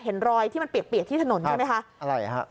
เห็นรอยที่มันเปียกที่ถนนใช่ไหมคะอะไรฮะ